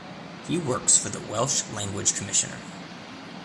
He works for the Welsh Language Commissioner.